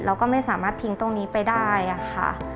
เราก็ไม่สามารถทิ้งตรงนี้ไปได้ค่ะ